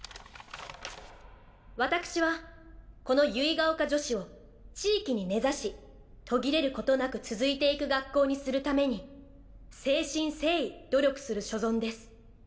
「わたくしはこの結ヶ丘女子を地域に根ざし途切れることなく続いていく学校にするために誠心誠意努力する所存です。